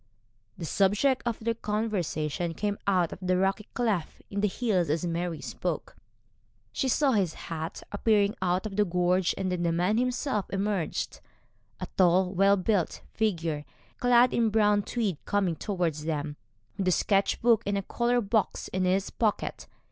The subject of their conversation came out of the rocky cleft in the hills as Mary spoke. She saw his hat appearing out of the gorge, and then the man himself emerged, a tall well built figure, clad in brown tweed, coming towards them, with sketch book and colour box in his pocket.